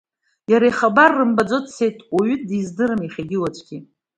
Иара ихабар рымбаӡо дцеит, уаҩы диздыруам иахьагьы, уаҵәгьы.